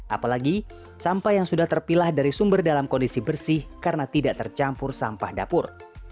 apalagi sampah yang sudah terpilah dari sumber dalam kondisi bersih karena tidak tercampur sampah dapur